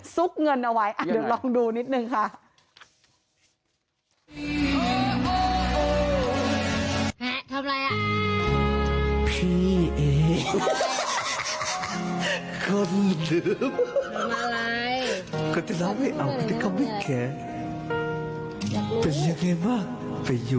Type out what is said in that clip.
เงินเอาไว้เดี๋ยวลองดูนิดนึงค่ะ